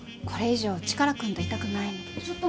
これ以上チカラくんといたくないの。